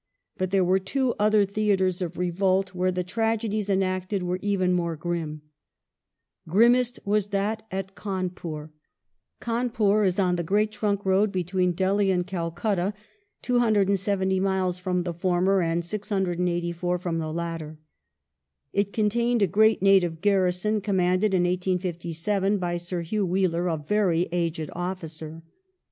But there were two other theatres of revolt where the tragedies enacted were even more grim. Grimmest was that at Cawnpur. Cawnpur is on the great trunk road between Delhi and Calcutta, 270 miles from the former and 684 from the latter. It contained a great native garrison, commanded in 1857 by Sir Hugh Wheeler, a very aged officer.